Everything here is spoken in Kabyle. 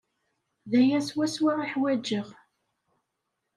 D aya swaswa i ḥwajeɣ.